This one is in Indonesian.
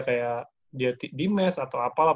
kayak dia di mes atau apalah